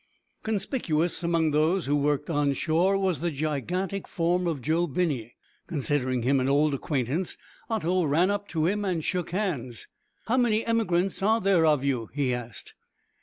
Conspicuous among those who worked on shore was the gigantic form of Joe Binney. Considering him an old acquaintance. Otto ran up to him and shook hands. "How many emigrants are there of you?" he asked.